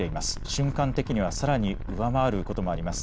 瞬間的にはさらに上回ることもあります。